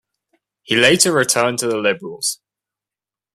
He later returned to the Liberals.